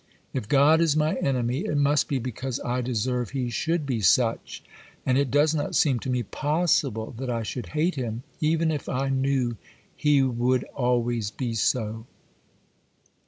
If God is my enemy, it must be because I deserve He should be such; and it does not seem to me possible that I should hate Him, even if I knew He would always be so.